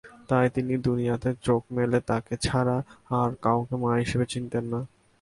তাই তিনি দুনিয়াতে চোখ মেলে তাকে ছাড়া আর কাউকে মা হিসাবে চিনতেন না।